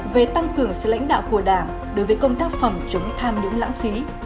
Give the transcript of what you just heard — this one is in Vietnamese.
về tăng cường sự lãnh đạo của đảng đối với công tác phòng chống tham nhũng lãng phí